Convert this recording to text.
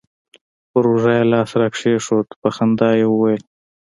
پر اوږه يې لاس راكښېښوو په خندا يې وويل.